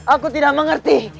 aku tidak mengerti